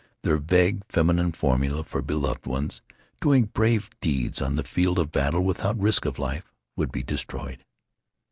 Their vague feminine formula for beloved ones doing brave deeds on the field of battle without risk of life would be destroyed.